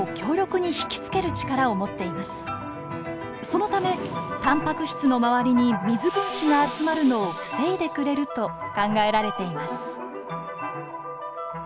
そのためたんぱく質の周りに水分子が集まるのを防いでくれると考えられています。